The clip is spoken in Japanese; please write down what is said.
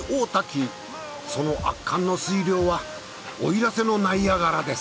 その圧巻の水量は奥入瀬のナイアガラです。